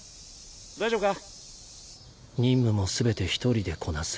大丈夫か？